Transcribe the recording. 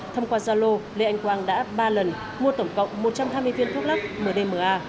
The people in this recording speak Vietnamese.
thông qua zalo lê anh quang đã ba lần mua tổng cộng một trăm hai mươi viên thuốc lắc mdma